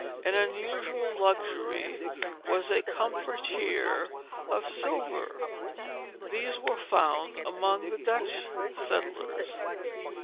An unusual luxury was a comfortier of silver. These were found among the Dutch settlers.